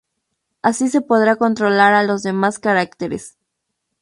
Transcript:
Así se podrá controlar a los demás caracteres.